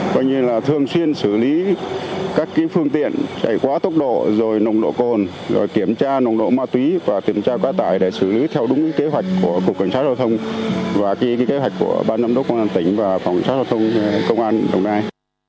bao nhiêu là thường xuyên xử lý các phương tiện chạy quá tốc độ nồng độ cộn kiểm tra nồng độ ma túy và kiểm tra quá tải để xử lý theo đúng kế hoạch của cộng sát giao thông và kế hoạch của ban giám đốc công an tỉnh và cộng sát giao thông công an đồng nai